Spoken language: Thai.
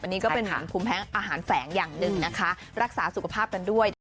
อันนี้ก็เป็นเหมือนภูมิแพ้อาหารแฝงอย่างหนึ่งนะคะรักษาสุขภาพกันด้วย